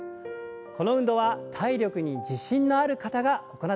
この運動は体力に自信のある方が行ってください。